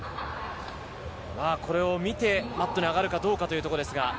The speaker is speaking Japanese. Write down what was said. これを見てマットに上がるかどうかというところです。